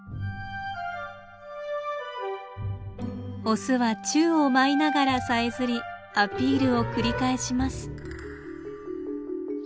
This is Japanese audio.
オスは宙を舞いながらさえずりアピールを繰り返します。